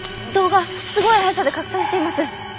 動画すごい速さで拡散しています！